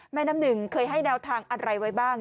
น้ำหนึ่งเคยให้แนวทางอะไรไว้บ้าง